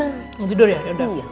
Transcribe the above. udah tidur ya udah